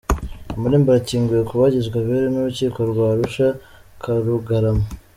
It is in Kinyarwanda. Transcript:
Amarembo arakinguye ku bagizwe abere n’Urukiko rw’Arusha Karugarama